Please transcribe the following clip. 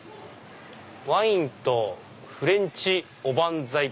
「ワインとフレンチおばんざい」。